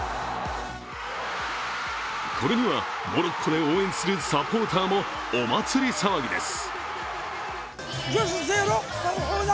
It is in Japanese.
これにはモロッコで応援するサポーターもお祭り騒ぎです。